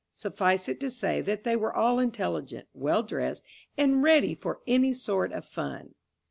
Suffice it to say that they were all intelligent, well dressed, and ready for any sort of fun.